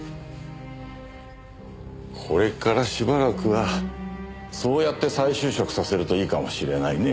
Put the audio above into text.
これからしばらくはそうやって再就職させるといいかもしれないね。